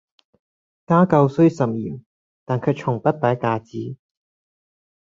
家教雖甚嚴，但卻從不擺架子